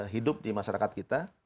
hidup di masyarakat kita